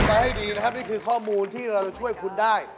ให้ดีนะครับนี่คือข้อมูลที่เราจะช่วยคุณได้